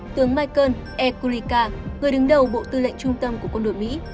tướng michael e gulicka người đứng đầu bộ tư lệnh trung tâm của quân đội mỹ